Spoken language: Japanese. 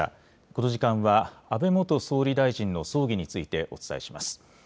この時間は安倍元総理大臣の葬儀についてお伝えします。